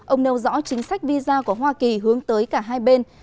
ông nêu rõ chính sách visa của hoa kỳ hướng tới cả hai bên